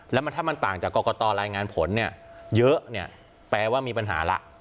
แล้วถ้ามันต่างจากกรกตรายงานผลเนี่ยเยอะเนี่ยแปลว่ามีปัญหาละ